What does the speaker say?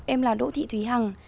em là đỗ thị thúy hằng